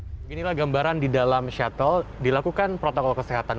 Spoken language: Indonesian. beginilah gambaran di dalam shuttle dilakukan protokol kesehatan